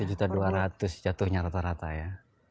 satu juta dua ratus jatuhnya rata rata ya